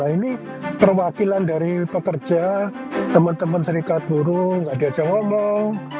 ini perwakilan dari pekerja teman teman serikat buruh gak diajak ngomong